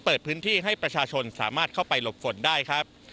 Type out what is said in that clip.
เปิดพื้นที่ให้ประชาชนสามารถเข้าไปหลบฝนได้ครับ